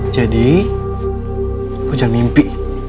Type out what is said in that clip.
jadi kok jangan mimpi